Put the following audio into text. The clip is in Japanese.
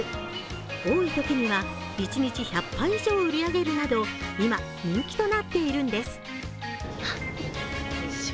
多いときには一日１００杯以上売り上げるなど今、人気となっているんです。